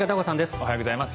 おはようございます。